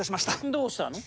どうしたの？